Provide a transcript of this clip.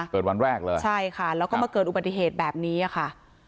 วันแรกเลยใช่ค่ะแล้วก็มาเกิดอุบัติเหตุแบบนี้ค่ะ